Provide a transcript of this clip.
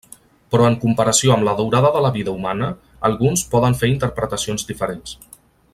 Però en comparació amb la durada de la vida humana, alguns poden fer interpretacions diferents.